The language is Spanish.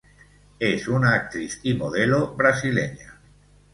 Es una actriz y modelo brasileña.